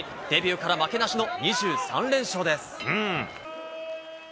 デビューから負けなしの２３連勝です。